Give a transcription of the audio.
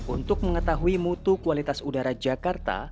untuk mengetahui mutu kualitas udara jakarta